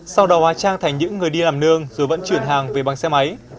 sau đó hóa trang thành những người đi làm nương rồi vẫn chuyển hàng về bằng xe máy